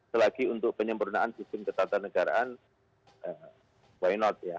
selagi untuk penyempurnaan sistem ketatanegaraan why not ya